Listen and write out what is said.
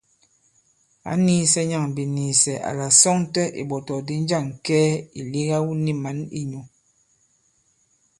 Ǎ nīīsɛ̄ nyâŋ biniisɛ àla à sɔŋtɛ ìɓɔ̀tɔ̀kdi njâŋ kɛɛ ì lega wu ni mǎn i nyū.